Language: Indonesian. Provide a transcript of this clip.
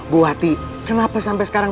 bu hati kenapa sampai sekarang